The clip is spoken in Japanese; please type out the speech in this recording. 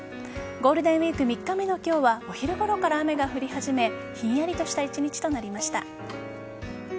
ゴールデンウイーク３日目の今日はお昼ごろから雨が降り始めひんやりとした１日となりました。